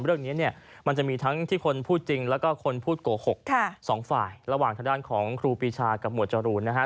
เรื่องนี้เนี่ยมันจะมีทั้งที่คนพูดจริงแล้วก็คนพูดโกหกสองฝ่ายระหว่างทางด้านของครูปีชากับหมวดจรูนนะฮะ